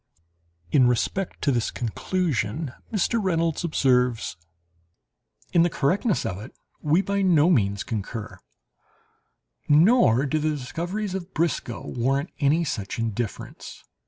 In respect to this conclusion Mr. Reynolds observes: "In the correctness of it we by no means concur; nor do the discoveries of Briscoe warrant any such indifference.